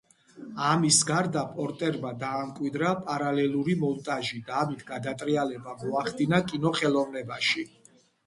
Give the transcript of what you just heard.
ამის გარდა, პორტერმა დაამკვიდრა პარალელური მონტაჟი და ამით გადატრიალება მოახდინა კინოხელოვნებაში.